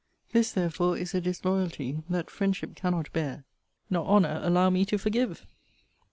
This therefore is a disloyalty that friendship cannot bear, nor honour allow me to forgive.